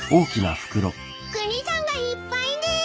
栗さんがいっぱいです！